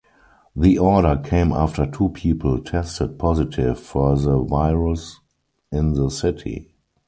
The order came after two people tested positive for the virus in the city.